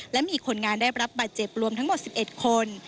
และมีคนงานได้รับบาดเจ็บรวมทั้งหมด๑๑คน